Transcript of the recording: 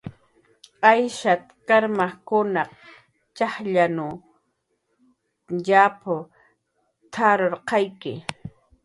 "Ayshan karmkunaq txajllanw yap t""ararqayki"